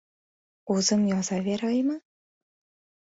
— O‘zim yozaveraymi?